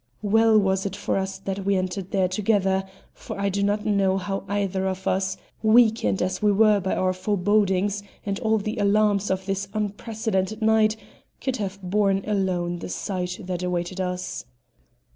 Well was it for us that we entered there together, for I do not know how either of us, weakened as we were by our forebodings and all the alarms of this unprecedented night, could have borne alone the sight that awaited us.